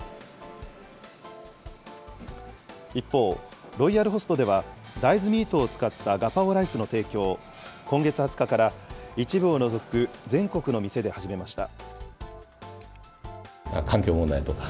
一方、ロイヤルホストでは大豆ミートを使ったガパオライスの提供を、今月２０日から一部を除く全国の店で始めました。